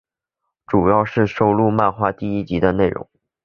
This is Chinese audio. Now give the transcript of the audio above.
主要收录漫画第一集的内容。